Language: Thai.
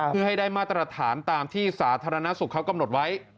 เพื่อให้ได้มาตรฐานตามที่สาธารณสุขเขากำหนดไว้